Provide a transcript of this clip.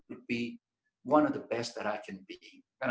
tetapi realitinya saya tidak akan sampai di sana